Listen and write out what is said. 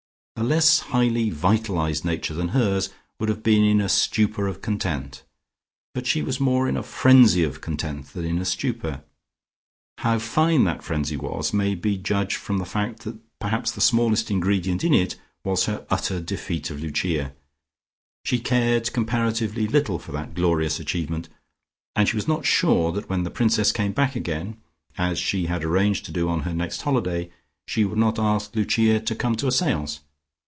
A less highly vitalised nature than hers would have been in a stupor of content, but she was more in a frenzy of content than in a stupor. How fine that frenzy was may be judged from the fact that perhaps the smallest ingredient in it was her utter defeat of Lucia. She cared comparatively little for that glorious achievement, and she was not sure that when the Princess came back again, as she had arranged to do on her next holiday, she would not ask Lucia to come to a seance.